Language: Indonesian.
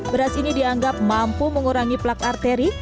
beras ini dianggap mampu mengurangi plak arteri